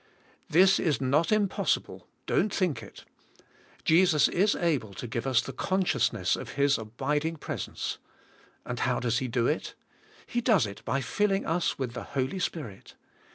This is not impossible, don't think it. Jesus is able to give us the consciousness of His abiding presence, and how does He do it? He does it by filling us with the Holy Spirit.